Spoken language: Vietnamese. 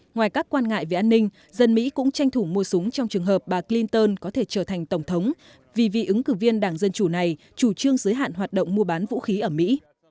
ngoài các quan ngại về an ninh dân mỹ cũng tranh thủ mua súng trong trường hợp bà clinton có thể trở thành tổng thống vì vị ứng cử viên đảng dân chủ này chủ trương giới hạn hoạt động mua bán vũ khí ở mỹ